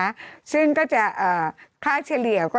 จำกัดจำนวนได้ไม่เกิน๕๐๐คนนะคะ